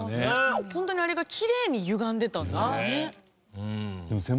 本当にあれがきれいにゆがんでたんでしょうね。